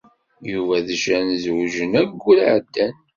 Yuba d Jane zewǧen ayyur iɛeddan.